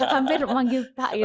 sampai manggil pak gitu